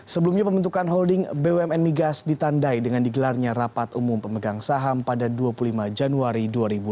sebelumnya pembentukan holding bumn migas ditandai dengan digelarnya rapat umum pemegang saham pada dua puluh lima januari